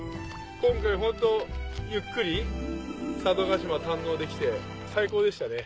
今回ホントゆっくり佐渡島堪能できて最高でしたね。